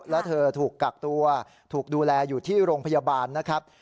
แล้วเธอถูกกักตัวถูกดูแลอยู่ที่โรงพยาบาลนะครับ